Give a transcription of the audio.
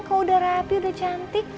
kalau udah rapi udah cantik